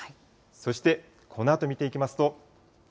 そしてこのあと見ていきますと。